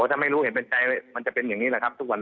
ถ้าไม่รู้เห็นเป็นใจมันจะเป็นอย่างนี้แหละครับทุกวัน